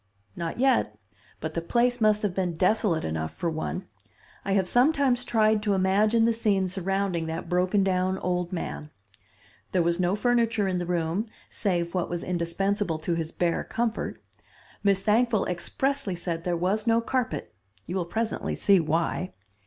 "Not yet, but the place must have been desolate enough for one. I have sometimes tried to imagine the scene surrounding that broken down old man. There was no furniture in the room, save what was indispensable to his bare comfort. Miss Thankful expressly said there was no carpet, you will presently see why.